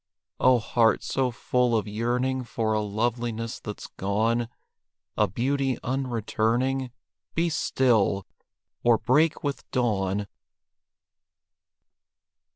Oh, heart, so full of yearning For a loveliness that's gone, A beauty unreturning, Be still! or break with dawn!